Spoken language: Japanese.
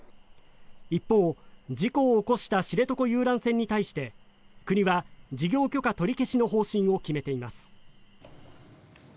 一方、事故を起こした知床遊覧船に対して国は事業許可取り消しの方針を決めています。